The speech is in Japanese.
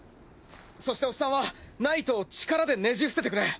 そしてオッサンはナイトを力でねじ伏せてくれ。